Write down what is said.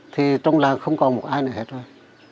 thì trong làng không còn một ai nữa hết rồi